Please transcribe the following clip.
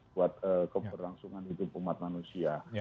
buat keberlangsungan hidup umat manusia